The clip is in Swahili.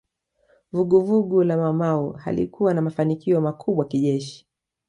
Vuguvugu la Maumau halikuwa na mafanikio makubwa kijeshi